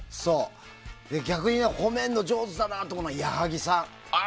逆に褒めるの上手だなと思うのは矢作さん。